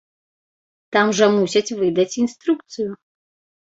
Там жа мусяць выдаць інструкцыю.